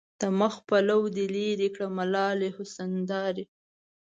د مخ پلو دې لېري کړه ملالې حسن دارې